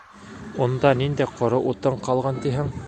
Унда ниндәй ҡоро утын ҡалған тиһең?